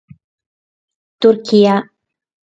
Turchia.